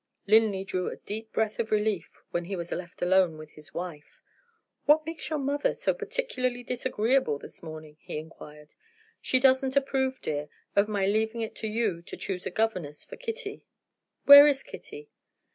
Linley drew a deep breath of relief when he was left alone with his wife. "What makes your mother so particularly disagreeable this morning?" he inquired. "She doesn't approve, dear, of my leaving it to you to choose a governess for Kitty." "Where is Kitty?"